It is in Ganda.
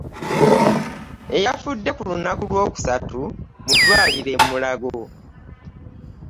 Eyafudde ku lunaku Lwokusatu mu ddwaliro e Mulago.